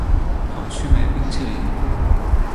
跑去买冰淇淋